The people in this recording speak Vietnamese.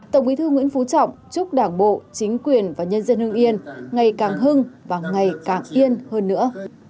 tổng bí thư nguyễn phú trọng chúc đảng bộ chính quyền và nhân dân hương yên ngày càng hưng và ngày càng yên hơn nữa